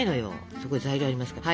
そこに材料がありますから。